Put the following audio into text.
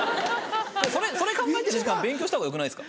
それ考えてる時間勉強したほうがよくないですか？